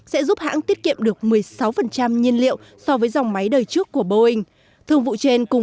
sẽ giúp hãng tiết kiệm được một mươi sáu nhiên liệu so với dòng máy đời trước của boeing thương vụ trên cùng